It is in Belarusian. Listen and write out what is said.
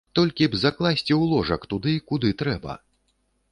Толькі б закласці ў ложак туды, куды трэба.